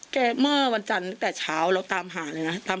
เมื่อวันจันทร์ตั้งแต่เช้าเราตามหาเลยนะ